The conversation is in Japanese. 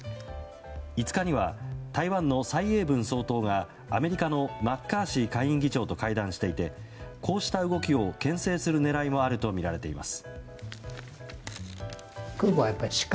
５日には台湾の蔡英文総統がアメリカのマッカーシー下院議長と会談していてこうした動きを牽制する狙いもあるとみられています。